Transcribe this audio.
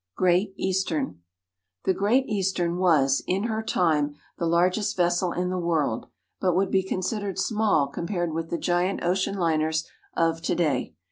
"=Great Eastern.=" The "Great Eastern" was, in her time, the largest vessel in the world, but would be considered small compared with the giant ocean liners of to day.